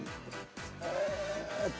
ええっと。